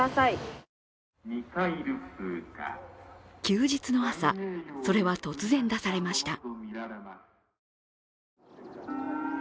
休日の朝それは突然出されました。